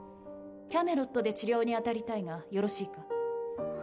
キャメロットで治療に当たりたいがよろしいか？